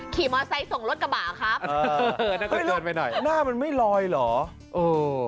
ขี่มอเตอร์ไซค์ส่งรถกระบ่าครับเออน่าเกิดเกินไปหน่อยหน้ามันไม่ลอยหรอเออ